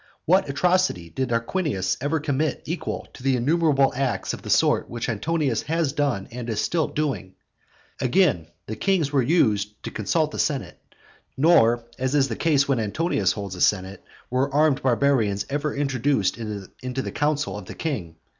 What atrocity did Tarquinius ever commit equal to the innumerable acts of the sort which Antonius has done and is still doing? Again, the kings were used to consult the senate; nor, as is the case when Antonius holds a senate, were armed barbarians ever introduced into the council of the king.